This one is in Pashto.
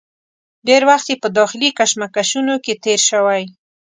ډېر وخت یې په داخلي کشمکشونو کې تېر شوی.